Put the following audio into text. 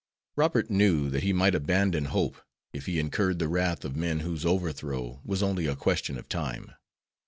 Robert knew that he might abandon hope if he incurred the wrath of men whose overthrow was only a question of time.